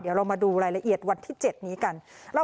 เดี๋ยวเรามาดูรายละเอียดวันที่๗นี้กัน